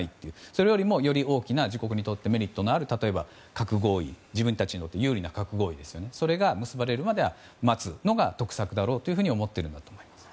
それよりもより大きな自国にとってメリットのある自分たちにとって有利な核合意が結ばれるまで待つのが得策だろうと思っていると思います。